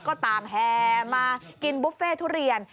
ก็ต่างแห่มากินบุฟเฟ่ทุเรียน